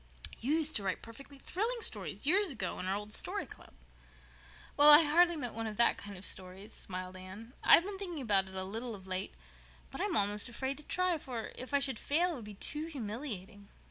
"You used to write perfectly thrilling stories years ago in our old Story Club." "Well, I hardly meant one of that kind of stories," smiled Anne. "I've been thinking about it a little of late, but I'm almost afraid to try, for, if I should fail, it would be too humiliating."